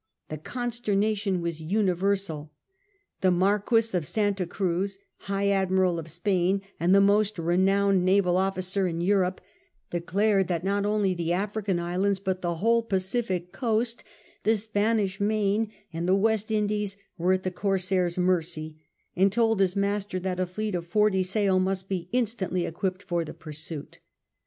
The consternation was universal. The Marquis of Santa Cruz, High Admiral of Spain and the most renowned naval officer in Europe, declared that not only the African islands, but the whole Pacific coast) the Spanish Main, and the West Indies, were at the corsair's mercy, and told his master that a fleet of forty sail must be instantly equipped for the pursuit.